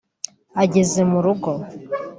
ageze mu rugo